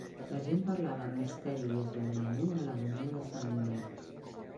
La gent parlava amb misteri i esbalaïment de l'agonia de Sangonera.